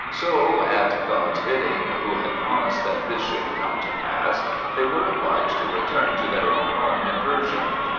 So, at God's bidding, Who had promised that this should come to pass, they were obliged to return to their own home in Persia.